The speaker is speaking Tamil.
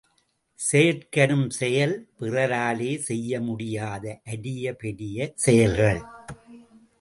செயற்கரும் செயல், பிறராலே செய்ய முடியாத அரிய பெரிய செயல்கள்.